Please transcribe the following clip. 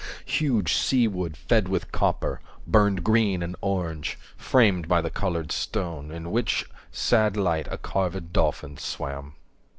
Huge sea wood fed with copper Burned green and orange, framed by the coloured stone, 95 In which sad light a carvèd dolphin swam.